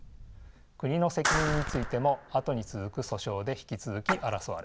国の責任についてもあとに続く訴訟で引き続き争われます。